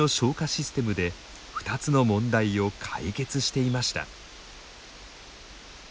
システムで２つの問題を解決していました。